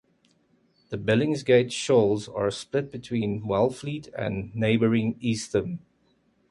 The Billingsgate shoals are split between Wellfleet and neighboring Eastham.